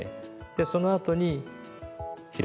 でそのあとに開く。